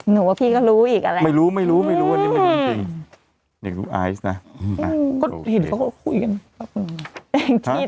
หนูว่าพี่ก็รู้อีกอะแหละไม่รู้ไม่รู้อันนี้ไม่รู้อย่างนี้